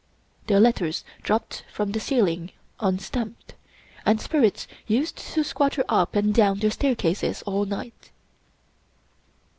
Their letters dropped from the ceiling — ^un stamped—and spirits used to squatter up and down their staircases all night.